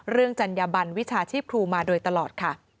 เรื่องจัญญบันวิชาชีพครูมาโดยตลอด